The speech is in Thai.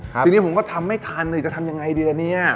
ทีนี้ผมก็ทำไม่ทันจะทำยังไงดีอ่ะเนี่ย